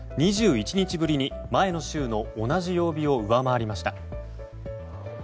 ２１日ぶりに前の週の同じ曜日を上回りました。